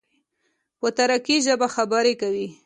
په ترکي ژبه خبرې کوي.